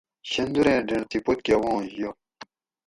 شندوریں ڈینڈ تھی پتکہ وانش یہ